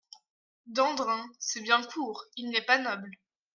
Dandrin… c’est bien court ; il n’est pas noble.